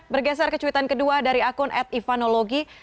bergeser ke cuitan kedua dari akun ativanologi